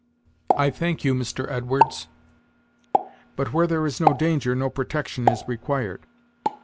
"I thank you, Mr. Edwards; but where there is no danger, no protection is required.